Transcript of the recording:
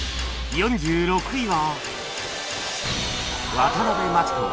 ４６位は